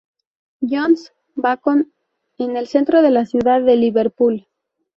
John's Bacon en el centro de la ciudad de Liverpool.